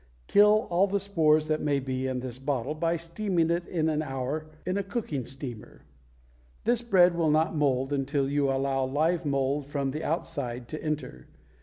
Kill all the spores that may be in this bottle by steaming it an hour in a cooking steamer. This bread will not mold until you allow live mold from the outside to enter.